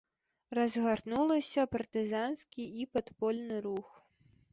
Разгарнулася партызанскі і падпольны рух.